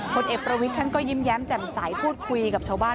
ผลเอกประวิทย์ท่านก็ยิ้มแย้มแจ่มใสพูดคุยกับชาวบ้าน